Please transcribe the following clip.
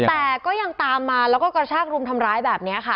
แต่ก็ยังตามมาแล้วก็กระชากรุมทำร้ายแบบนี้ค่ะ